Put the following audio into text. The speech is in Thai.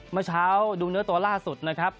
เมื่อเช้าดูเนื้อตัวล่าสุดนะครับ